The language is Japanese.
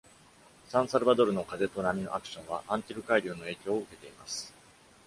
サンサルバドルの風と波のアクションはアンティル海流の影響を受けています。